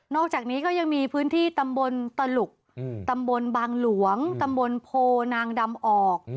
อกจากนี้ก็ยังมีพื้นที่ตำบลตะหลุกตำบลบางหลวงตำบลโพนางดำออก